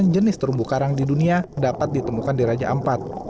jenis terumbu karang di dunia dapat ditemukan di raja ampat